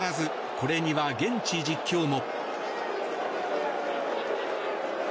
これには現地実況も。